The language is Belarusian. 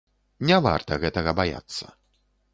Не варта гэтага баяцца.